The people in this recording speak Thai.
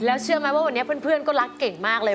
แล้วเชื่อไหมว่าวันนี้เพื่อนก็รักเก่งมากเลย